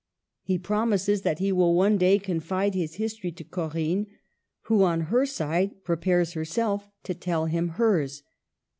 He promises that he will one day confide his history to Corinne, who on her side prepares herself to tell him hers.